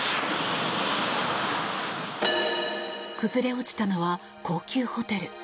崩れ落ちたのは高級ホテル。